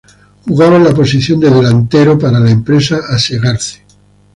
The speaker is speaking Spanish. Jugaba en la posición de "delantero", para la empresa Asegarce.